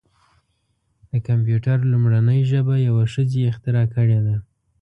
د کمپیوټر لومړنۍ ژبه یوه ښځې اختراع کړې ده.